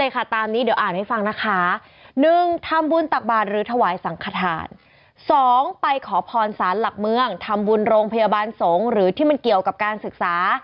กับเมืองทำบุญโรงพยาบาลสงฆ์หรือที่มันเกี่ยวกับการศึกษา